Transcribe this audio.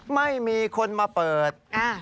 ไม่มีคนมาเปิด